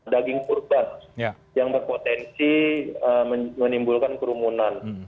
daging kurban yang berpotensi menimbulkan kerumunan